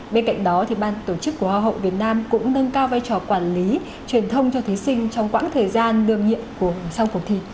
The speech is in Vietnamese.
bên cạnh đó ban tổ chức của hoa hậu việt nam cũng nâng cao vai trò quản lý truyền thông cho thí sinh trong quãng thời gian đương nhiệm sau cuộc thi